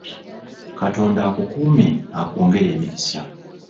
Katonda akukuume akwongere emikisa